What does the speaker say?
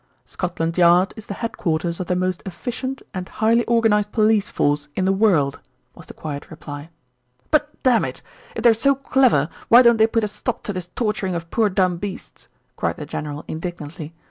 "Scotland Yard is the head quarters of the most efficient and highly organised police force in the world," was the quiet reply. "But, dammit! if they're so clever why don't they put a stop to this torturing of poor dumb beasts?" cried the general indignantly.